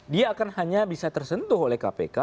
dia akan hanya bisa tersentuh oleh kpk